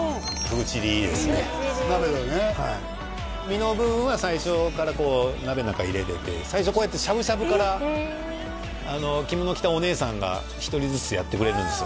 ぐちりですね鍋だねはい身の部分は最初から鍋の中入れてて最初こうやってしゃぶしゃぶから着物着たお姉さんが１人ずつやってくれるんですよ